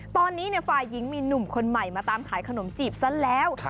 ตอนนี้ฝ่ายหญิงมีหนุ่มคนใหม่มาตามขายขนมจีบซะแล้ว